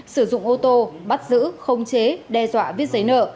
sử dụng ô tô bắt giữ khống chế đe dọa viết giấy nợ